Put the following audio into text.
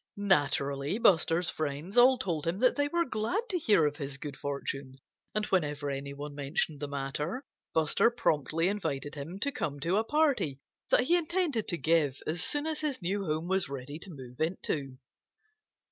Naturally, Buster's friends all told him that they were glad to hear of his good fortune. And whenever anyone mentioned the matter, Buster promptly invited him to come to a party that he intended to give as soon as his new home was ready to move into.